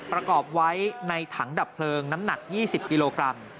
ประกอบไว้ในถังดับเพลิงน้ำหนัก๒๐กิโลกรัม